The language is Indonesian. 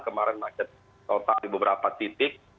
kemarin macet total di beberapa titik